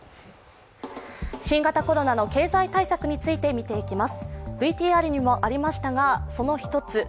新型コロナの経済対策について見ていきます。